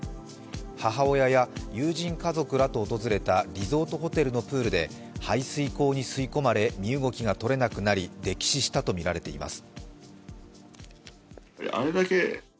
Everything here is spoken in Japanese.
母親や友人、家族らと訪れたリゾートホテルのプールで、排水溝に吸い込まれ身動きがとれなくなり溺死したとみられています。